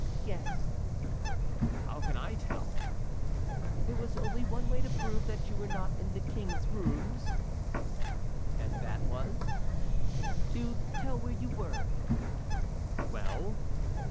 "Guess." "How can I tell?" "There was only one way to prove that you were not in the king's room." "And that was"— "To tell where you were." "Well?"